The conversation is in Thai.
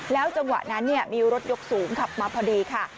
จังหวะนั้นมีรถยกสูงขับมาพอดีค่ะ